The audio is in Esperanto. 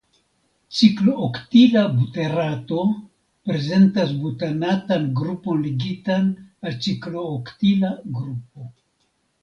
Ciklooktila buterato prezentas butanatan grupon ligitan al ciklooktila grupo.